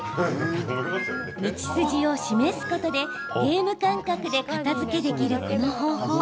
道筋を示すことでゲーム感覚で片づけできるこの方法。